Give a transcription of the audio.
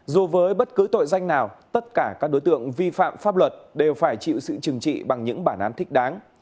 dù với bất cứ tội danh nào tất cả các đối tượng vi phạm pháp luật đều phải chịu sự trừng trị bằng những bản án thích đáng